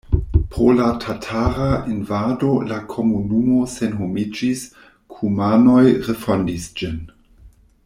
Pro la tatara invado la komunumo senhomiĝis, kumanoj refondis ĝin.